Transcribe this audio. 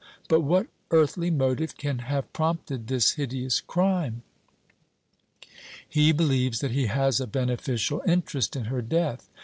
But what earthly motive can have prompted this hideous crime?" "He believes that he has a beneficial interest in her death.